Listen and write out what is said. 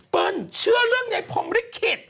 เปิ้ลเชื่อเรื่องในพรหมฤศิษฐ์